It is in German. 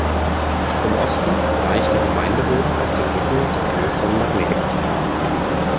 Im Osten reicht der Gemeindeboden auf den Rücken der Höhe von Magny.